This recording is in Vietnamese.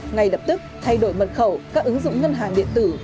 ngay lập tức thay đổi mật khẩu các ứng dụng ngân hàng điện tử